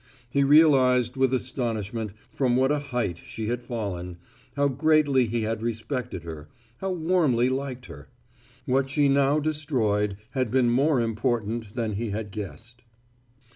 He realized with astonishment from what a height she had fallen, how greatly he had respected her, how warmly liked her. What she now destroyed had been more important than he had guessed.